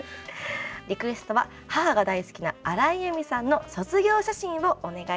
「リクエストは母が大好きな荒井由実さんの『卒業写真』をお願いします」。